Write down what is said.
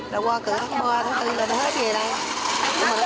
đầu qua cửa tháng ba tháng bốn